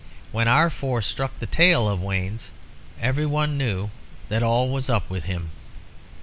When our force struck the tail of Wayne's, every one knew that all was up with him.